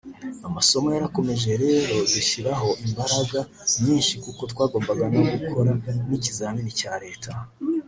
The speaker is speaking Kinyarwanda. Amasomo yarakomeje rero dushyiraho imbaraga nyinshi kuko twagombaga no gukora n’ikizamini cya Leta